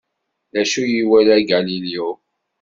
D acu ay iwala Galileo?